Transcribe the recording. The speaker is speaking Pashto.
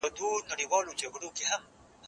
زه کولای سم سپينکۍ پرېولم،